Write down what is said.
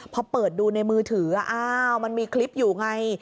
พอเปิดดูในมือถืออ้าวมันมีคลิปอยู่ไง